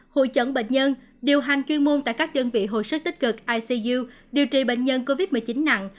hội chẩn bệnh nhân điều hành chuyên môn tại các đơn vị hồi sức tích cực icu điều trị bệnh nhân covid một mươi chín nặng